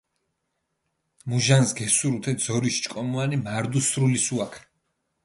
მუჟანს გესურუ თე ძორიში ჭკომუანი, მარდუ სრული სუაქ.